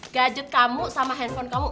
gadget kamu sama handphone kamu